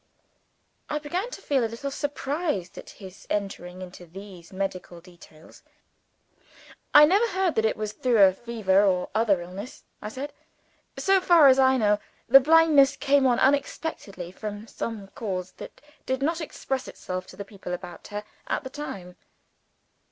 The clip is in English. I began to feel a little surprised at his entering into these medical details. "I never heard that it was through a fever, or other illness," I said. "So far as I know, the blindness came on unexpectedly, from some cause that did not express itself to the people about her, at the time."